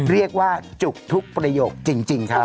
เรียกว่าจุกทุกประโยคจริงครับ